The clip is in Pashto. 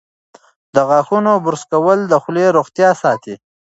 د غاښونو برس کول د خولې روغتیا ساتي.